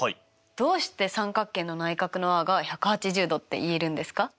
どうして三角形の内角の和が１８０°って言えるんですか？